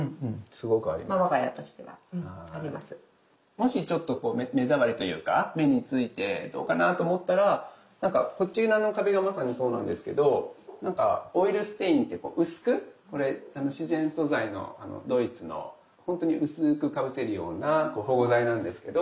もしちょっと目障りというか目についてどうかなと思ったらなんかこちらの壁がまさにそうなんですけどなんかオイルステインって薄くこれ自然素材のドイツのほんとに薄くかぶせるような保護剤なんですけど。